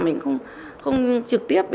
mình không trực tiếp